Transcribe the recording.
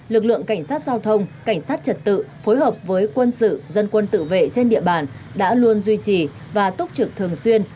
lực lượng cảnh sát giao thông cảnh sát trật tự phối hợp với quân sự dân quân tự vệ trên địa bàn đã luôn duy trì và túc trực thường xuyên